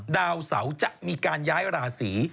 ดาวเสาจะมีการย้ายราศี